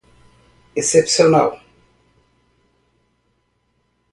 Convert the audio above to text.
excepcional